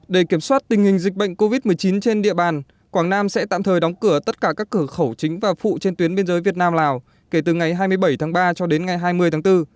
để kiểm soát tình hình dịch bệnh covid một mươi chín trên địa bàn quảng nam sẽ tạm thời đóng cửa tất cả các cửa khẩu chính và phụ trên tuyến biên giới việt nam lào kể từ ngày hai mươi bảy tháng ba cho đến ngày hai mươi tháng bốn